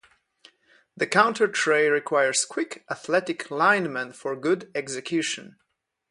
The counter trey requires quick, athletic linemen for good execution.